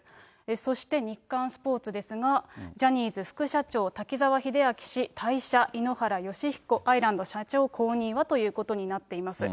そして日刊スポーツですが、ジャニーズ副社長、滝沢秀明氏退社、井ノ原快彦アイランド社長後任はということになっています。